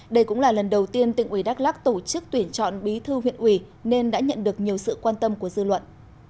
đây cũng là lần đầu tiên tỉnh ủy đắk lắc tổ chức tuyển chọn bí thư huyện ủy nên đã nhận được nhiều sự quan tâm của dư luận